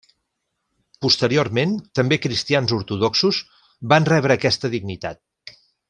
Posteriorment, també cristians ortodoxos van rebre aquesta dignitat.